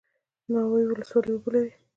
ناوې ولسوالۍ اوبه لري؟